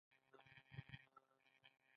وادۀ د کورنۍ جوړولو اساس دی.